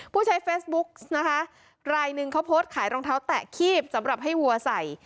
ผู้ใช้เฟซบุ๊กนะคะรายหนึ่งเขาโพสต์ขายรองเท้าแตะคีบสำหรับให้วัวใส่